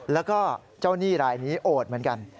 แล้วก็เจ้าหนี้รายนี้โอดเหมือนกัน